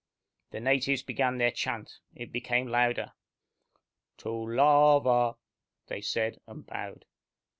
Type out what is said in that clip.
The natives began their chant. It became louder. "Tolava " they said, and bowed.